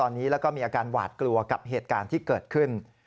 ตอนนี้แล้วก็มีอาการหวาดกลัวกับเหตุการณ์ที่เกิดขึ้น